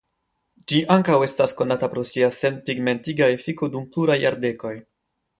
Ĝi ankaŭ estas konata pro sia senpigmentiga efiko dum pluraj jardekoj.